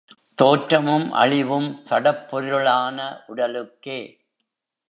தோற்றமும் அழிவும் சடப்பொருளான உடலுக்கே.